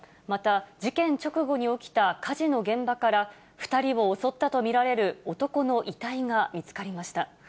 また事件直後に起きた火事の現場から、２人を襲ったと見られる男の遺体が見つかりました。